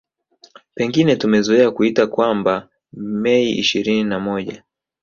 Pengine tumezoea kuita kwamba Mei ishirini na moja